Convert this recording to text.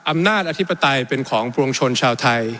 อํนาจอธิปไตยเป็นของประวงชลชาวไทย